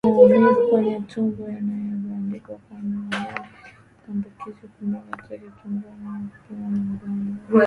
Maumivu kwenye tumbo yanayobainika kwa mnyama aliyeambukizwa kujipiga teke tumboni na kupinda mgongo